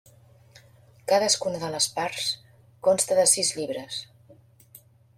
Cadascuna de les parts consta de sis llibres.